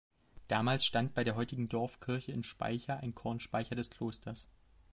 Damals stand bei der heutigen Dorfkirche in Speicher ein Kornspeicher des Klosters.